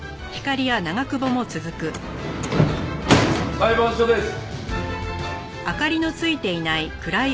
裁判所です。